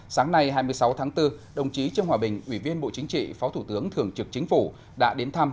sáng nay hai mươi sáu tháng bốn đồng chí trương hòa bình ủy viên bộ chính trị phó thủ tướng thường trực chính phủ đã đến thăm